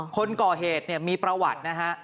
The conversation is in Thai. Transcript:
คนก่อเหตุมีประวัตินะฮะ